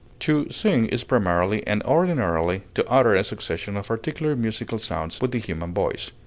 To sing is primarily and ordinarily to utter a succession of articulate musical sounds with the human voice.